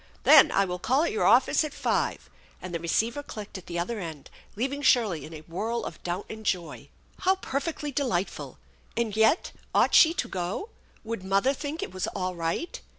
" Then I will call at your office at five," and the receiver clicked at the other end, leaving Shirley in a whirl of doubt and joy. How perfectly delightful! And yet ought she to go? Would mother think it was all right?